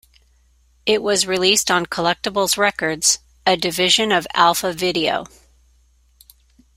It was released on Collectables Records, a division of Alpha Video.